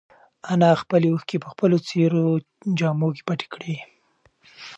انا خپلې اوښکې په خپلو څېرو جامو کې پټې کړې.